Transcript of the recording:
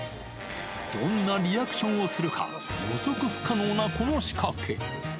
どんなリアクションをするか、予測不可能なこの仕掛け。